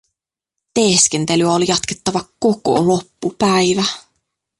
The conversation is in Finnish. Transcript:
Teeskentelyä oli jatkettava koko loppu päivä.